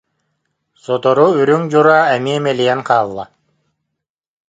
Сотору үрүҥ дьураа эмиэ мэлийэн хаалла